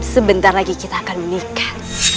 sebentar lagi kita akan menikah